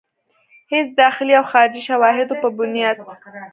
هيڅ داخلي او خارجي شواهدو پۀ بنياد